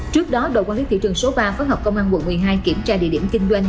trước đó đội quản lý thị trường số ba phối hợp công an quận một mươi hai kiểm tra địa điểm kinh doanh